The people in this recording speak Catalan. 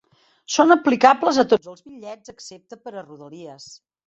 Són aplicables a tots els bitllets, excepte per a Rodalies.